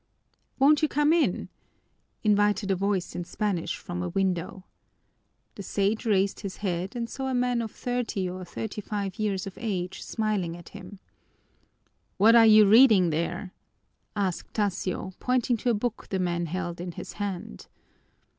"Won't you come in?" invited a voice in Spanish from a window. The Sage raised his head and saw a man of thirty or thirty five years of age smiling at him. "What are you reading there?" asked Tasio, pointing to a book the man held in his hand.